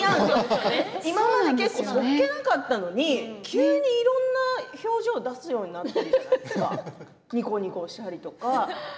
今まで結構そっけなかったのに急にいろんな表情を出すようになってにこにこしたりとか。